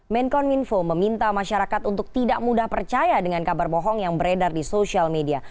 menkominfo meminta masyarakat untuk tidak mudah percaya dengan kabar bohong yang beredar di sosial media